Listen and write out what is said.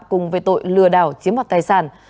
cùng về tội lừa đảo chiếm mặt tài sản